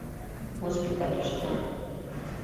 ГОСПИТАЛЬЫШТЕ